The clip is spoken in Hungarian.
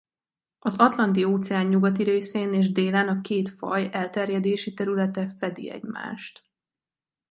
Az Atlanti-óceán nyugati részén és délen a két faj elterjedési területe fedi egymást.